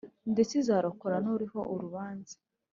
Ndetse izarokora n uriho urubanza